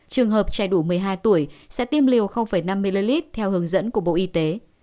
trường hợp trẻ đủ một mươi hai tuổi sẽ tiêm liều năm ml theo hướng dẫn của bộ y tế